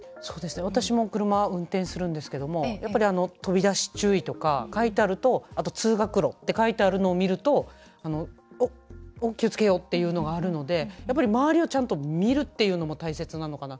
私も車を運転するんですけど飛び出し注意とか書いてあると、あとは通学路って書いてあるのを見ると気をつけようっていうのがあるので周りをちゃんと見るというのが大切なのかな。